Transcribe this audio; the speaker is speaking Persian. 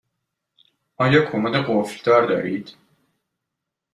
آیا کمد قفل دار دارید؟